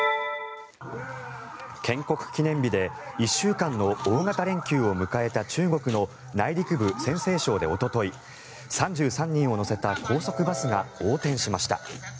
建国記念日で１週間の大型連休を迎えた中国の内陸部陝西省で、おととい３３人を乗せた高速バスが横転しました。